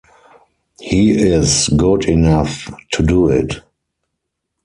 He is good enough to do it.